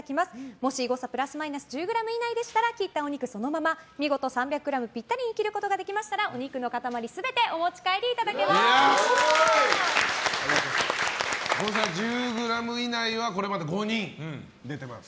もし誤差プラスマイナス１０ｇ以内でしたら切ったお肉そのまま見事３００ｇピッタリに切ることができましたらお肉の塊全て誤差１０ｇ以内はこれまで５人出ています。